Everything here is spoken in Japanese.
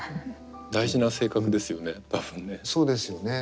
大事な性格ですよね多分ね。